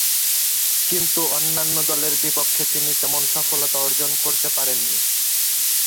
কিন্তু অন্যান্য দলের বিপক্ষে তিনি তেমন সফলতা অর্জন করতে পারেননি।